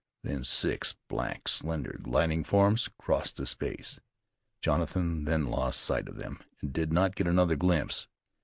Then six black, slender, gliding forms crossed the space. Jonathan then lost sight of them, and did not get another glimpse.